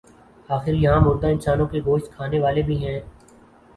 آخر یہاں مردہ انسانوں کے گوشت کھانے والے بھی ہیں۔